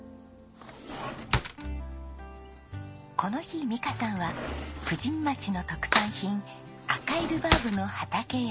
この日美香さんは富士見町の特産品赤いルバーブの畑へ。